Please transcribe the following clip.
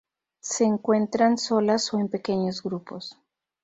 Se encuentran solas o en pequeños grupos.